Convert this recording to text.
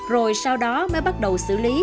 rồi sau đó mới bắt đầu xử lý